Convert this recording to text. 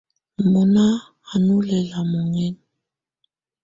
Mɔná á nfɔ́ lɛla mɔŋɛŋa.